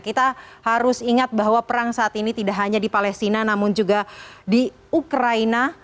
kita harus ingat bahwa perang saat ini tidak hanya di palestina namun juga di ukraina